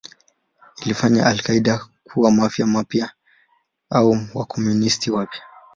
Ilifanya al-Qaeda kuwa Mafia mpya au Wakomunisti wapya.